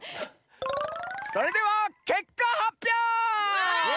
それではけっかはっぴょう！わ！